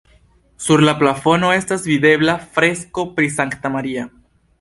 Sur la plafono estas videbla fresko pri Sankta Maria.